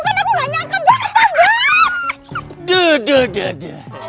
kan aku gak nyangka banget